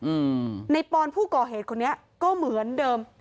อืมในปอนผู้ก่อเหตุคนนี้ก็เหมือนเดิม